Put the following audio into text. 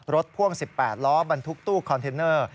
พ่วง๑๘ล้อบรรทุกตู้คอนเทนเนอร์